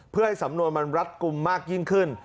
เพื่อให้สำนวนมันรัดกลุ่มมากยิ่งขึ้น